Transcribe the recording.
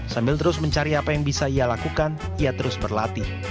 sambil terus mencari apa yang bisa ia lakukan ia terus berlatih